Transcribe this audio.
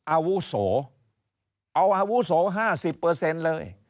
อาวุโสเอาอาวุโส๕๐เลย